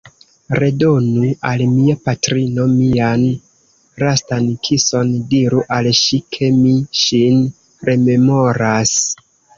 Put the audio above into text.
Redonu al mia patrino mian lastan kison, diru al ŝi, ke mi ŝin rememoras!